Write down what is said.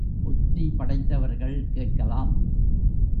புத்தி படைத்தவர்கள் கேட்கலாம்.